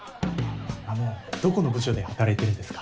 あのどこの部署で働いてるんですか？